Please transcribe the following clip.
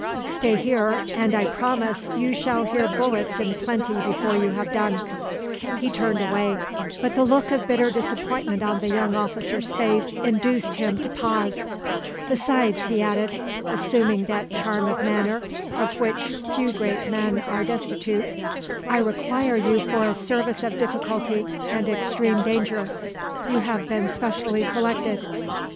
Stay here, and I promise you shall hear bullets in plenty before you have done." He turned away, but the look of bitter disappointment on the young officer's face induced him to pause. "Besides," he added, assuming that charm of manner of which few great men are destitute, "I require you for a service of difficulty and extreme danger. You have been specially selected."